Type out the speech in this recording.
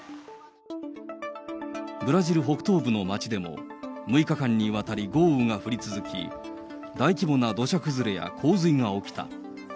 ブラジル北東部の町でも、６日間にわたり豪雨が降り続き、大規模な土砂崩れや洪水が起きた。